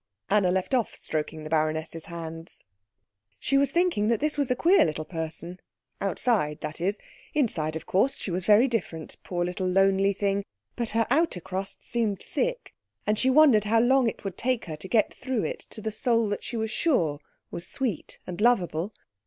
Anna left off stroking the baroness's hands. She was thinking that this was a queer little person outside, that is. Inside, of course, she was very different, poor little lonely thing; but her outer crust seemed thick; and she wondered how long it would take her to get through it to the soul that she was sure was sweet and lovable.